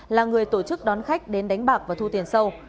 là người tổ chức đón khách đến đánh bạc và thu tiền sâu